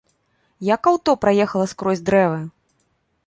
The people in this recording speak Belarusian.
Як аўто праехала скрозь дрэвы?